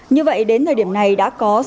như vậy đến thời điểm này đã có